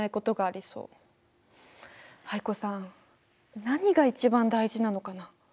藍子さん何が一番大事なのかな？